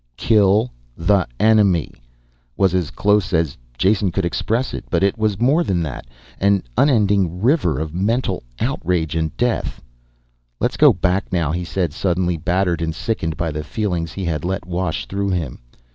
"KILL THE ENEMY" was as close as Jason could express it. But it was more than that. An unending river of mental outrage and death. "Let's go back now," he said, suddenly battered and sickened by the feelings he had let wash through him.